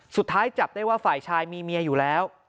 สุดท้ายจับได้ว่าฝ่ายชายมีเมียอยู่แล้ว